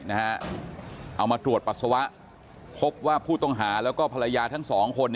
เอามาตรวจปัสสาวะพบว่าผู้ต้องหาแล้วก็ภรรยาทั้งสองคน